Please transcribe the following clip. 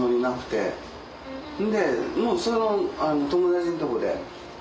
んでもうあの友達のとこで。